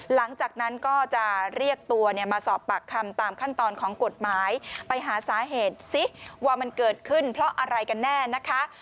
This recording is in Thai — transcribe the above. หลังจากนั้นก็จะเรียกตัวเนี่ยมาสอบปากคำตามขั้นตอนของกฎหมายไปหาสาเหตุสิว่ามันเกิดขึ้นเพราะอะไรกันแน่นะคะ